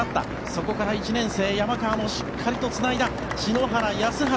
そこから１年生、山川もしっかりとつないだ篠原、安原